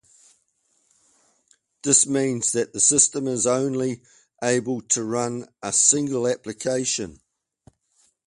This means that the system is only able to run a single application.